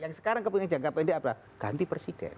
yang sekarang kepentingan jkpnd adalah ganti presiden